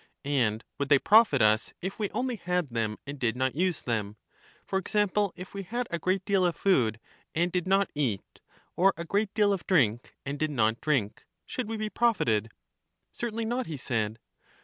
And would they profit us, if we only had them and did not use them? For example, if we had a great deal of food and did not eat, or a great deal of drink and did not drink, should we be profited? Certainly not, he said.